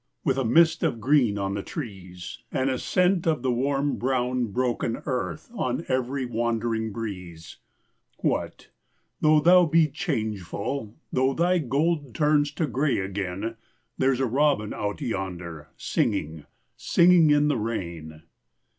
With a mist of green on the trees And a scent of the warm brown broken earth On every wandering breeze; What, though thou be changeful, Though thy gold turns to grey again, There's a robin out yonder singing, Singing in the rain.